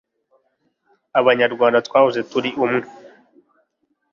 abanyarwanda twahoze turi umwe